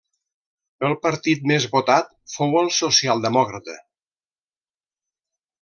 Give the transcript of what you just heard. El partit més votat fou el socialdemòcrata.